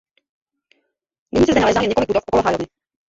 Nyní se zde nalézá jen několik budov okolo hájovny.